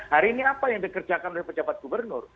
hari ini apa yang dikerjakan oleh pejabat gubernur